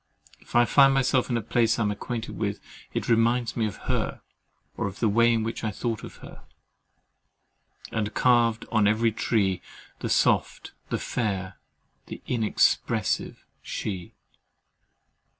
If I find myself in a place I am acquainted with, it reminds me of her, of the way in which I thought of her, —"and carved on every tree The soft, the fair, the inexpressive she!"